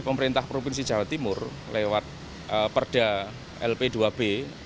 pemerintah provinsi jawa timur lewat perda lp dua b